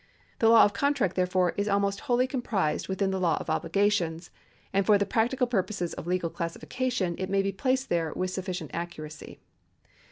The law of contract, therefore, is almost wholly comprised within the law of obligations, and for the practical purposes of legal classification it may be placed there with sufficient accuracy.